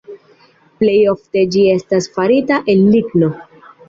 Plej ofte ĝi estas farita el ligno.